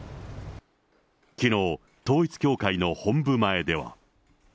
きのう、統一教会の本部前では。